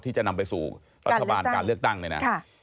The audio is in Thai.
ที่จะนำไปสู่รัฐบาลการเลือกตั้งเนี่ยนะ